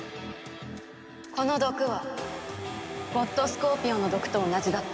この毒はゴッドスコーピオンの毒と同じだった。